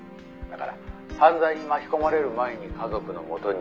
「だから犯罪に巻き込まれる前に家族の元に戻す」